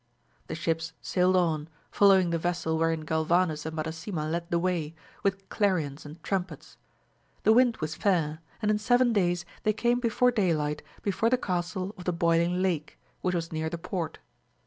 The ships sailed on, following the vessel wherein G^vanes and Madasima led the way, with clarions and trumpets. The wind was fair, and in seven days they came before day light before the castle of the Boiling Lake, which was near the Port.